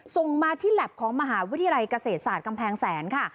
ส่งมาที่แล็บของมหาวิทยาลัยเกษตรศาสตร์กำแพงแสนค่ะ